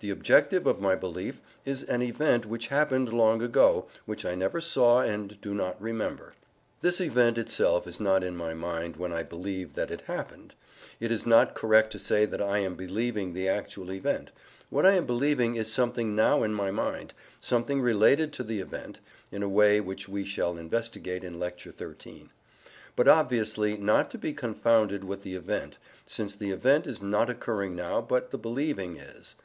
The objective of my belief is an event which happened long ago, which I never saw and do not remember. This event itself is not in my mind when I believe that it happened. It is not correct to say that I am believing the actual event; what I am believing is something now in my mind, something related to the event (in a way which we shall investigate in Lecture XIII), but obviously not to be confounded with the event, since the event is not occurring now but the believing is.